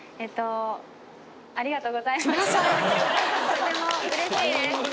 ・とても嬉しいです